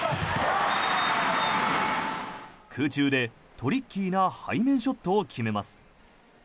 空中で、トリッキーな背面ショットを決めます。